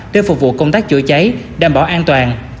để phục vụ công tác chữa cháy đảm bảo an toàn